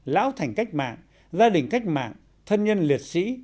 lão thành cách mạng gia đình cách mạng thân nhân liệt sĩ